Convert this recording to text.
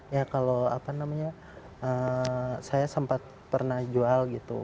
ya kalau apa namanya saya sempat pernah jual gitu